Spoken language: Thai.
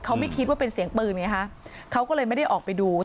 เขาไม่คิดว่าเป็นเสียงปืนไงฮะเขาก็เลยไม่ได้ออกไปดู